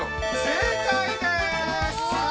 正解です！